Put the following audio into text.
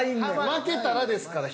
負けたらですから。